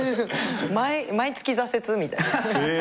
毎月挫折みたいな。